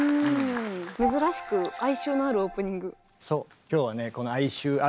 珍しく哀愁のあるオープニング。